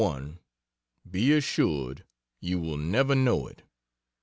1, be assured you will never know it.